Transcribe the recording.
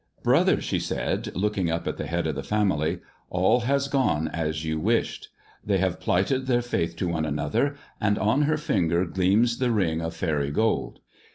Brother," she said, looking up at the head of the family, " all has gone as you wished. They have plighted their faith to one another, and on her finger gleams the ring of faery gold.